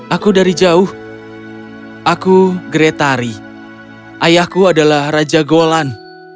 aku dari jauh aku gretari ayahku adalah raja golan